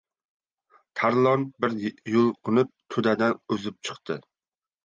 Tarlon bir yulqinib, to‘dadan uzib chiqdi.